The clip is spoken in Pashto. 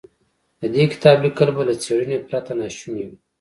د دې کتاب ليکل به له څېړنې پرته ناشوني و.